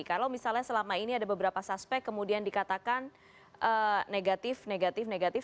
kalau misalnya selama ini ada beberapa suspek kemudian dikatakan negatif negatif negatif